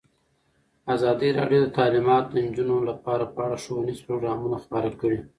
ازادي راډیو د تعلیمات د نجونو لپاره په اړه ښوونیز پروګرامونه خپاره کړي.